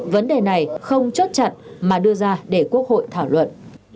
vấn đề này không chốt chặn mà đưa ra để quốc hội thảo luận